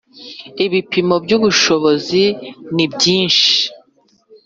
Ibipimo by’ ubushobozi nibyishi.